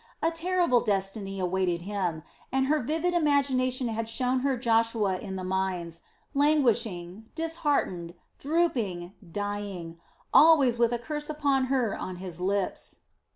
A terrible destiny awaited him, and her vivid imagination had shown her Joshua in the mines, languishing, disheartened, drooping, dying, always with a curse upon her on his lips.